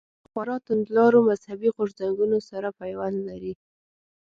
له خورا توندلارو مذهبي غورځنګونو سره پیوند لري.